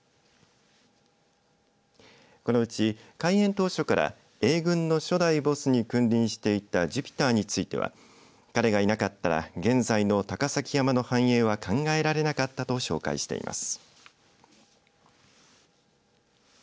このうち開園当初からＡ群の初代ボスに君臨していたジュピターについては彼がいなかったら現在の高崎山の繁栄は考えられなかったと紹介しています。